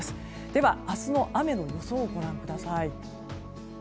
では明日の雨の予想をご覧ください。